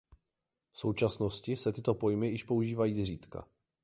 V současnosti se tyto pojmy již používají zřídka.